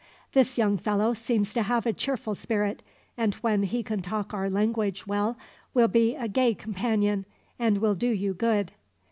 This young fellow seems to have a cheerful spirit, and when he can talk our language well will be a gay companion, and will do you good.